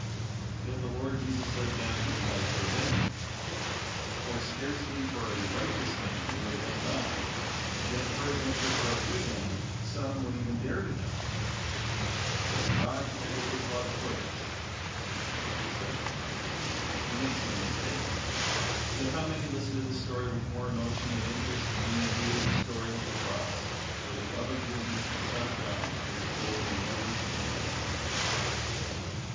Yet the Lord Jesus laid down his life for his enemies; for "scarcely for a righteous man will one die; yet peradventure for a good man some would even dare to die; but God commendeth His love toward us," etc. He makes no mistakes. Yet how many listen to this story with more emotion and interest than they do to the story of the cross, where the love of Jesus, the Son of God, is told in letters of blood!